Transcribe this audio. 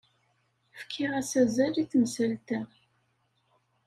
Fkiɣ-as azal i temsalt-a.